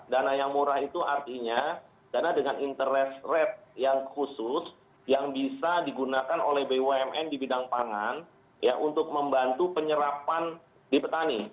dana yang murah itu artinya dana dengan interest rate yang khusus yang bisa digunakan oleh bumn di bidang pangan untuk membantu penyerapan di petani